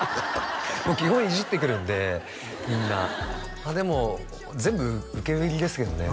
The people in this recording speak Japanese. もう基本いじってくるんでみんなまあでも全部受け売りですけどね